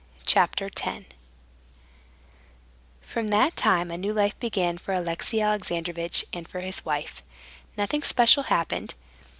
Chapter 10 From that time a new life began for Alexey Alexandrovitch and for his wife. Nothing special happened.